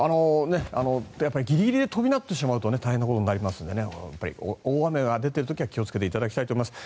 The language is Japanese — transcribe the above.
やっぱりギリギリで飛び立ってしまうと大変になりますので大雨が出ている時は気をつけていただきたいと思います。